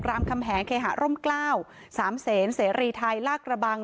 รามคำแหงเขหาร่มเกล้าสามเศรษฐ์เสรีไทยลากระบัง